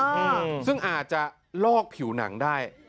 อืมซึ่งอาจจะลอกผิวหนังได้